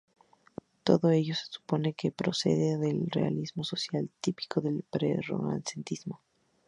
Todo ello supone un precedente del realismo social típico del Prerromanticismo.